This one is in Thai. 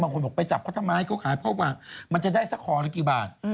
บางคนบอกไปจับข้อทำไมเขาขายน้องมันจะได้สักห่อนกี่บาท